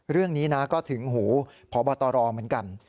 เรื่องนี้นะก็ถึงหูพบตรเหมือนกัน